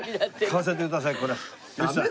買わせてくださいこれ吉さん。